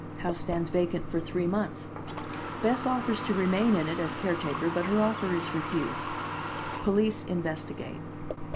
House stands vacant for three months. Bess offers to remain in it as caretaker, but her offer is refused. Police investigate.